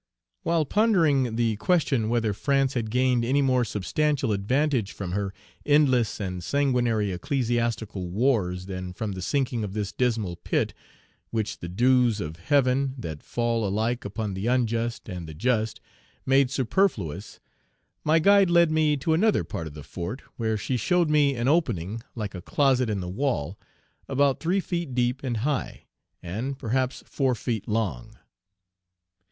While pondering the question whether France had gained any more substantial advantage from her endless and sanguinary ecclesiastical wars than from the sinking of this dismal pit, which the dews of heaven, that fall alike upon the unjust and the just, made superfluous, my guide led me to another part of the fort, where she showed me an opening like a closet in the wall, about three feet deep and high, and, perhaps, four feet long.